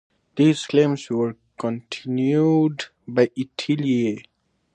These claims were continued by Etteilla.